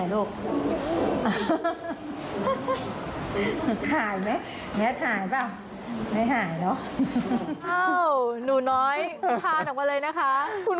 ลองไปดูกระจกก่อน